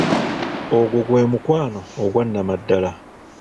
Ogwo gwe mukwano ogwa Nnamaddala!